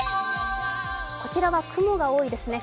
こちらは雲が多いですね。